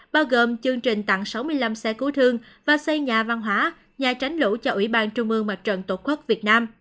bao gồm chương trình tặng sáu mươi năm xe cứu thương và xây nhà văn hóa nhà tránh lũ cho ủy ban trung ương mặt trận tổ quốc việt nam